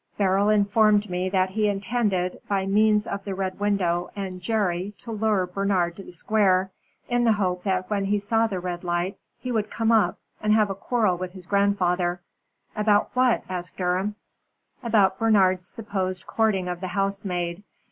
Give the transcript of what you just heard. Beryl informed me that he intended by means of the Red Window and Jerry to lure Bernard to the Square, in the hope that when he saw the red light he would come up and have a quarrel with his grandfather." "What about?" asked Durham. "About Bernard's supposed courting of the housemaid.